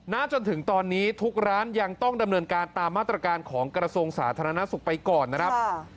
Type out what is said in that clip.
จนถึงตอนนี้ทุกร้านยังต้องดำเนินการตามมาตรการของกระทรวงสาธารณสุขไปก่อนนะครับ